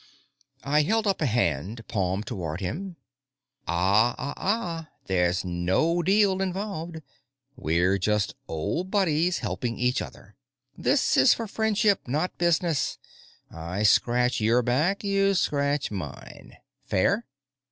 I held up a hand, palm toward him. "Ah, ah, ah! There's no 'deal' involved. We're just old buddies helping each other. This is for friendship, not business. I scratch your back; you scratch mine. Fair?"